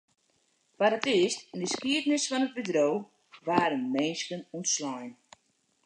Foar it earst yn 'e skiednis fan it bedriuw waarden minsken ûntslein.